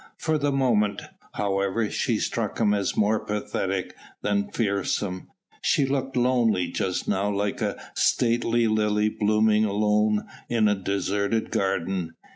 For the moment, however, she struck him as more pathetic than fearsome; she looked lonely just now like a stately lily blooming alone in a deserted garden.